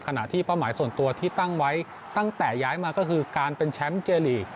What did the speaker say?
เป้าหมายส่วนตัวที่ตั้งไว้ตั้งแต่ย้ายมาก็คือการเป็นแชมป์เจลีก